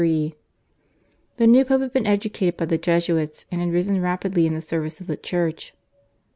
The new Pope had been educated by the Jesuits, and had risen rapidly in the service of the Church.